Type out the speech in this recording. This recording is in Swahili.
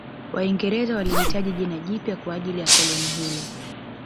Waingereza walihitaji jina jipya kwa ajili ya koloni hilo